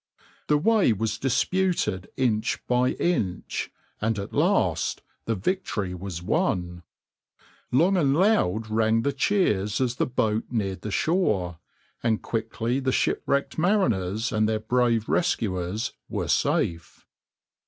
The way was disputed inch by inch, and at last the victory was won. Long and loud rang the cheers as the boat neared the shore, and quickly the shipwrecked mariners and their brave rescuers were safe.